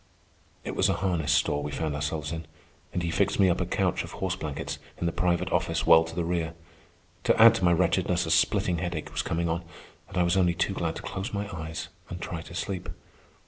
It was a harness store we found ourselves in, and he fixed me up a couch of horse blankets in the private office well to the rear. To add to my wretchedness a splitting headache was coming on, and I was only too glad to close my eyes and try to sleep.